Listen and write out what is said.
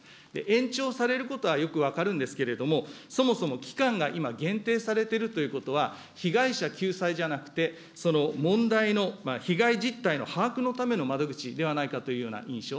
延長されることはよく分かるんですけれども、そもそも期間が今限定されてるということは、被害者救済じゃなくて、その問題の被害実態の把握のための窓口ではないかというような印象。